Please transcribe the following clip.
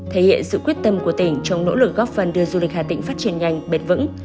thể hiện sự quyết tâm của tỉnh trong nỗ lực góp phần đưa du lịch hà tĩnh phát triển nhanh bền vững